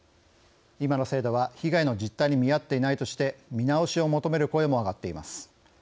今の制度は被害の実態に見合っていないとして見直しを求める声も上がっています。